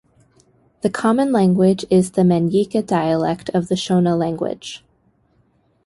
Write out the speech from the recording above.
The common language is the Manyika dialect of the Shona language.